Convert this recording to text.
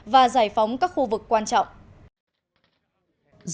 và giải phóng các khu vực quan trọng